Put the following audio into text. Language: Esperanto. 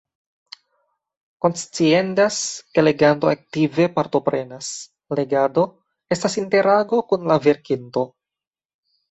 Konsciendas, ke leganto aktive partoprenas: legado estas interago kun la verkinto.